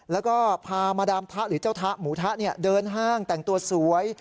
แล้วก็พามาดามทะหรือเจ้าทะหมูทะเดินห้างแต่งตัวสวย